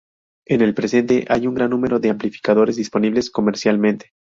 En el presente, hay un gran número de amplificadores disponibles comercialmente.